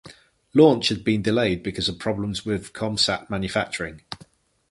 Launch had been delayed because of problems with comsat manufacturing.